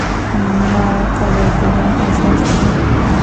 مرکه د اعتماد اساس دی.